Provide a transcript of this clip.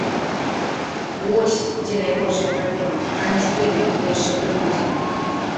Вось дзе найбольшая праблема, а не з тымі, хто яшчэ прыбудзе.